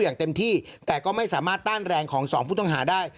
อย่างเต็มที่แต่ก็ไม่สามารถต้านแรงของสองผู้ต้องหาได้